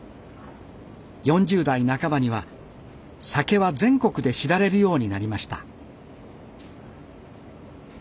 ４０代半ばには酒は全国で知られるようになりました。